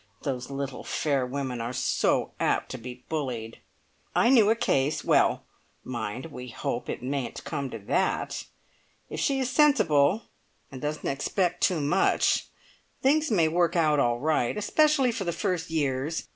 Those little fair women are so apt to be bullied. I knew a case. Well, mind, we'll hope it mayn't come to that! If she is sensible and doesn't expect too much, things may work out all right. Especially for the first years.